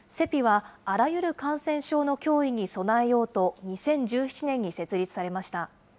ＣＥＰＩは、あらゆる感染症の脅威に備えようと２０１７年に設立されました。